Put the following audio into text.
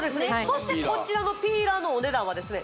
そしてこちらのピーラーのお値段はですね